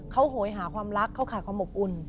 เขาโหยหาความรักเขาขาดความอบอุ่น